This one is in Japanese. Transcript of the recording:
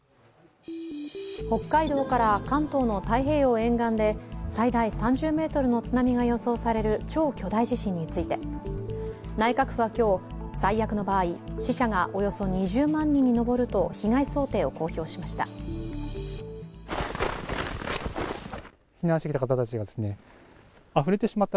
北海道から関東の太平洋沿岸で最大３０ｍの津波が予想される超巨大地震について内閣府は今日、最悪の場合、死者がおよそ２０万人に上るとの被害想定を公表しました。